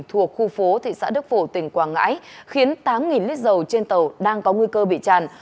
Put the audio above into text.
thuộc khu phố thị xã đức phổ tỉnh quảng ngãi khiến tám lít dầu trên tàu đang có nguy cơ bị tràn